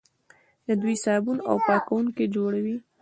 دوی صابون او پاکوونکي جوړوي.